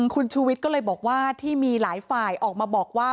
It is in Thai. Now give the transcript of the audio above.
คุณชูวิทย์ก็เลยบอกว่าที่มีหลายฝ่ายออกมาบอกว่า